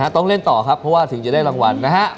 ต้องเล่นต่อครับเพราะว่าถึงจะได้รางวัลนะฮะ